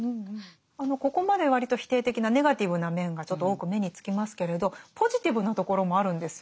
ここまで割と否定的なネガティブな面がちょっと多く目につきますけれどポジティブなところもあるんですよね。